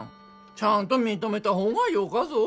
ちゃんと認めた方がよかぞ。